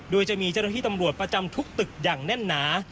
โดยจะมีเจ้าหน้าที่ตำรวจประจำทุกตึกอย่างแน่นหนา